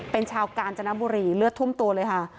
เป็นชาวกาญจนบุรีเลือดทุ่มตัวเลยค่ะ